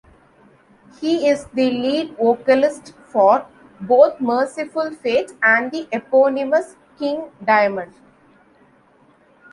He is the lead vocalist for both Mercyful Fate and the eponymous King Diamond.